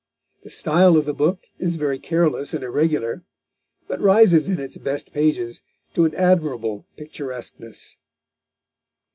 The style of the book is very careless and irregular, but rises in its best pages to an admirable picturesqueness.